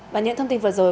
và những thông tin vừa rồi